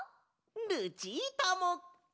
ルチータも！